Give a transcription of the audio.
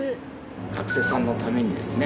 学生さんのためにですね